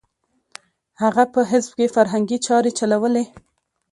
هغه په حزب کې فرهنګي چارې چلولې.